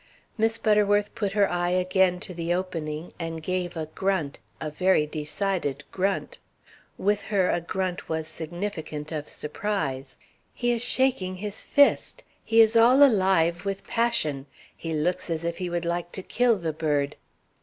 Miss Butterworth put her eye again to the opening, and gave a grunt, a very decided grunt. With her a grunt was significant of surprise. "He is shaking his fist; he is all alive with passion. He looks as if he would like to kill the bird."